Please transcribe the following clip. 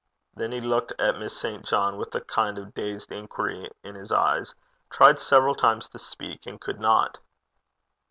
Then he looked at Miss St. John with a kind of dazed inquiry in his eyes, tried several times to speak, and could not.